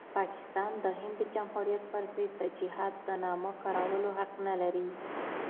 پاکستان د هند د جمهوریت پرضد د جهاد د نامه کارولو حق نلري.